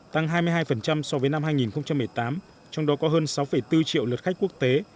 tăng hai mươi hai so với năm hai nghìn một mươi tám trong đó có hơn sáu bốn triệu lượt khách quốc tế